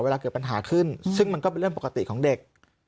เวลาเกิดปัญหาขึ้นซึ่งมันก็เป็นเรื่องปกติของเด็ก